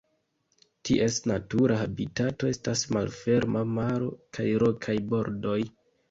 Ties natura habitato estas malferma maro kaj rokaj bordoj.